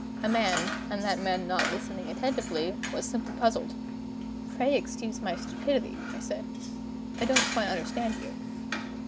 A man, and that man not listening attentively, was simply puzzled. "Pray excuse my stupidity," I said; "I don't quite understand you."